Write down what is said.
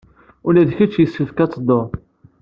Ula d kecc yessefk ad teddud!